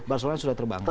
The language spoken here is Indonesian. barcelona sudah terbangun